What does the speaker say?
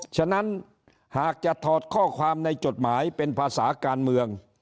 ฉะนั้นหากจะถอดข้อความในจดหมายเป็นภาษาการเมือง